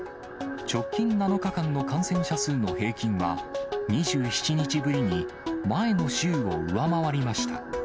直近７日間の感染者数の平均は２７日ぶりに前の週を上回りました。